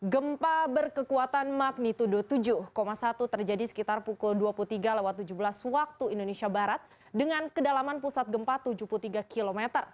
gempa berkekuatan magnitudo tujuh satu terjadi sekitar pukul dua puluh tiga tujuh belas waktu indonesia barat dengan kedalaman pusat gempa tujuh puluh tiga km